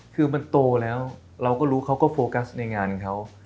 คือมันโตแล้วเราก็รู้เขาก็โฟกัสในงานเขา